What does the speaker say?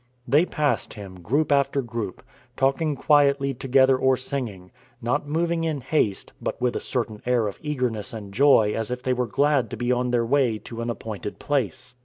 They passed him, group after group, talking quietly together or singing; not moving in haste, but with a certain air of eagerness and joy as if they were glad to be on their way to an appointed place.